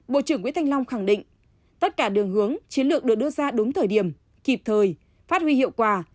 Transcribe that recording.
bộ trưởng nguyễn thanh long khẳng định tất cả đường hướng chiến lược được đưa ra đúng thời điểm kịp thời phát huy hiệu quả